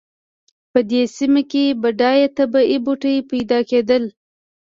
په دې سیمه کې بډایه طبیعي بوټي پیدا کېدل.